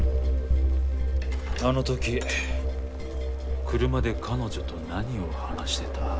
あの時車で彼女と何を話してた？